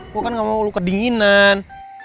gue kan gak mau lu kedinginan